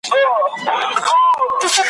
بس پر نورو یې کوله تهمتونه `